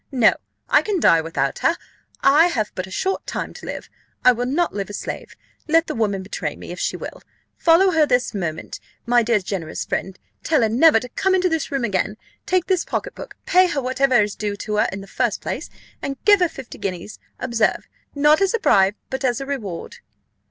No; I can die without her: I have but a short time to live I will not live a slave. Let the woman betray me, if she will. Follow her this moment, my dear generous friend; tell her never to come into this room again: take this pocket book, pay her whatever is due to her in the first place, and give her fifty guineas observe! not as a bribe, but as a reward."